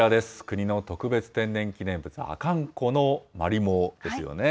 国の特別天然記念物、阿寒湖のマリモですよね。